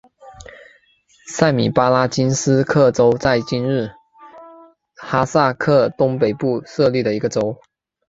塞米巴拉金斯克州在今日哈萨克东北部设立的一个州。